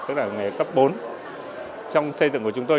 tức là nghề cấp bốn trong xây dựng của chúng tôi